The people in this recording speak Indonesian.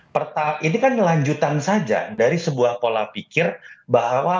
pertama ini kan lanjutan saja dari sebuah pola pikir bahwa